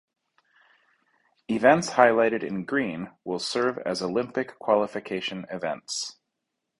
Events highlighted in green will serve as Olympic qualification events.